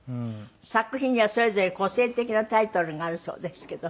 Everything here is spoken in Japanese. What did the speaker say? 作品にはそれぞれ個性的なタイトルがあるそうですけど。